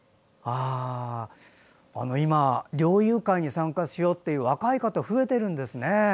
今、猟友会に参加しようっていう若い方増えてるんですね。